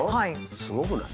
すごくない？